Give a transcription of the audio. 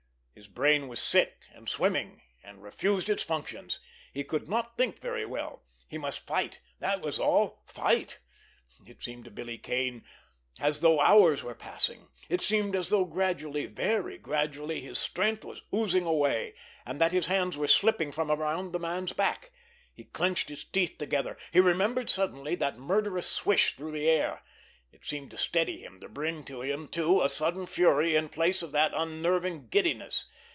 His brain was sick and swimming, and refused its functions. He could not think very well. He must fight—that was all—fight! It seemed to Billy Kane as though hours were passing. It seemed as though gradually, very gradually, his strength was oozing away, and that his hands were slipping from around the man's back. He clenched his teeth together. He remembered suddenly that murderous swish through the air. It seemed to steady him, to bring to him, too, a sudden fury in place of that unnerving giddiness.